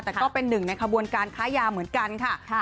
แต่ก็เป็นหนึ่งในขบวนการค้ายาเหมือนกันค่ะ